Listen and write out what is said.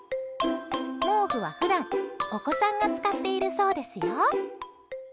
毛布は普段、お子さんが使っているそうですよ。